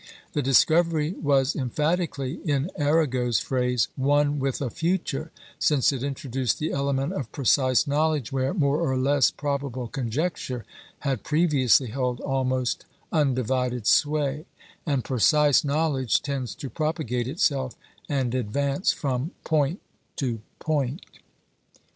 The discovery was emphatically (in Arago's phrase) "one with a future," since it introduced the element of precise knowledge where more or less probable conjecture had previously held almost undivided sway; and precise knowledge tends to propagate itself and advance from point to point.